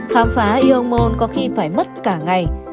khám phá eon mall có khi phải mất cả ngày